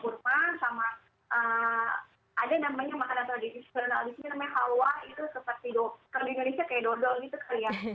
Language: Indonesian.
kalau di oman ini orang orangnya lokal ini cenderung dia lebih suka berbuka sama kurma sama ada namanya makanan tradisional di sini namanya halwa itu seperti di indonesia kayak dodol gitu kali ya